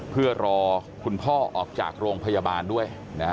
เพื่อรอคุณพ่อออกจากโรงพยาบาลด้วย